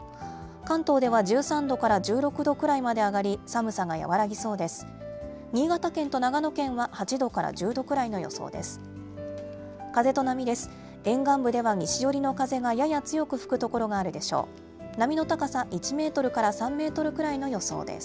関東では１３度から１６度ぐらいまで上がり、寒さが和らぎそうです。